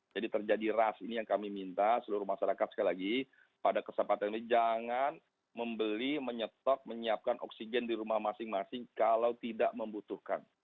jadi terjadi ras ini yang kami minta seluruh masyarakat sekali lagi pada kesempatan ini jangan membeli menyetok menyiapkan oksigen di rumah masing masing kalau tidak membutuhkan